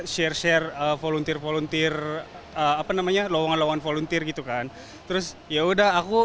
share share volunteer volunteer apa namanya lawangan lawan volunteer gitu kan terus yaudah aku